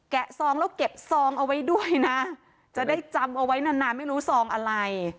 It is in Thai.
ซองแล้วเก็บซองเอาไว้ด้วยนะจะได้จำเอาไว้นานนานไม่รู้ซองอะไร